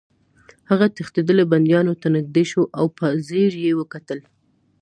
هغه تښتېدلي بندیانو ته نږدې شو او په ځیر یې وکتل